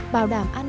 bảo đảm an toàn